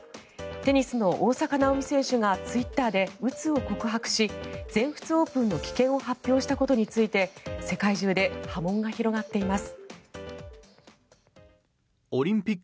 テニスの大坂なおみ選手がツイッターで、うつを告白し全仏オープンの棄権を発表したことについて世界中で波紋が広がっています。